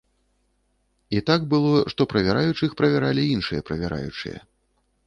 І так было, што правяраючых правяралі іншыя правяраючыя.